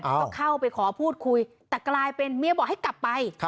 ก็เข้าไปขอพูดคุยแต่กลายเป็นเมียบอกให้กลับไป